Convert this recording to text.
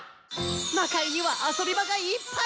魔界には遊び場がいっぱい！